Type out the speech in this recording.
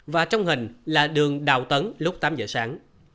và trong hình là đường đào tấn lúc tám giờ sáng